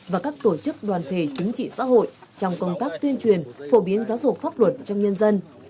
và các tổ chức đoàn thể chính trị xã hội trong công tác tuyên truyền phổ biến giáo dục pháp luật trong nhân dân